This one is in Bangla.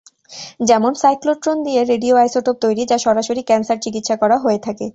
যেমন, সাইক্লোট্রন দিয়ে রেডিও আইসোটোপ তৈরি যা সরাসরি ক্যান্সার চিকিৎসা করা হয়ে থাকে।